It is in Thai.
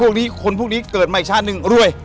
นี้คนพวกนี้เกิดมาอีกชาติหนึ่งรวย